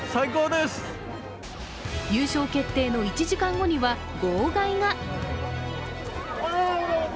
優勝決定の１時間後には号外が。